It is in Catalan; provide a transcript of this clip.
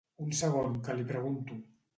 Un segon que li pregunto.